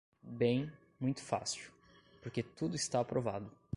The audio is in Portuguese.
Bem, muito fácil: porque tudo está aprovado!